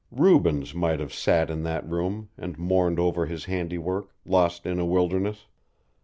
Rubens might have sat in that room, and mourned over his handiwork, lost in a wilderness.